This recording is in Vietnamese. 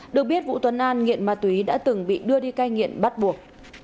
được biết vũ tuấn an nghiện ma túy đã từng bị đưa đi cai nghiện bắt buộc